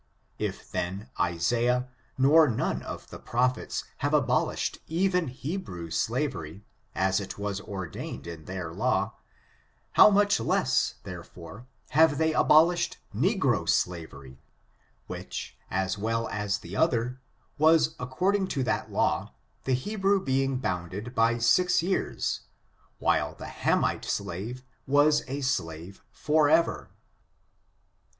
If, then, Isaiah, nor none of the prophets have abolished even Hebrew slavery, as it was ordained in their law, how much less, therefore, have they abolished negro slav ery, which, as well as the other, was according to that law, the Hebrew being bounded by six years, while the Hamite slave was a slave forever.